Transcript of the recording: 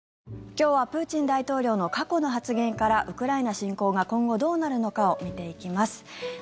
今日はプーチン大統領の過去の発言からウクライナ侵攻が今後どうなるのかを見ていきます。